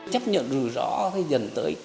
chấp nhận rủi ro dần tới